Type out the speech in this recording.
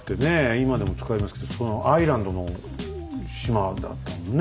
今でも使いますけどそのアイランドの「島」だったんだね。